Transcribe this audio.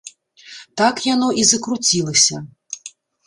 Так яно і закруцілася.